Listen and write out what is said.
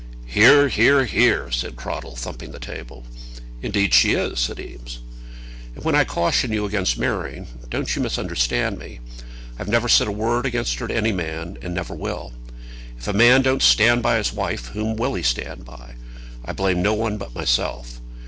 "Hear, hear, hear!" said Cradell, thumping the table. "Indeed she is," said Eames. "And when I caution you against marrying, don't you misunderstand me. I've never said a word against her to any man, and never will. If a man don't stand by his wife, whom will he stand by? I blame no one but myself.